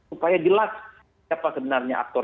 upaya jelas siapa sebenarnya aktor